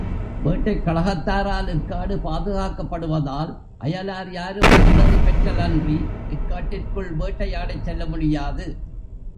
வேட்டைக் கழகத்தாரால் இக் காடு பாதுகாக்கப்படுவதால், அயலார் யாரும் அனுமதி பெற்றலன்றி இக் காட்டிற்குள் வேட்டையாடச் செல்ல முடியாது.